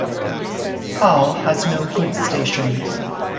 Kahl has no goods station.